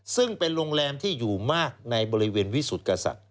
ซึ่งเป็นโรงแรมที่อยู่มากในบริเวณวิสุทธิ์กษัตริย์